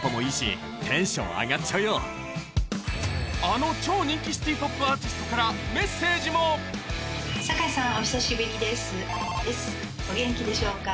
あの超人気シティポップアーティストからメッセージもえ！